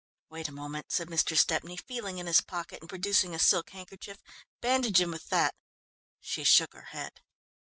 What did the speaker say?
"Wait a moment," said Mr. Stepney, feeling in his pocket and producing a silk handkerchief, "bandage him with that." She shook her head.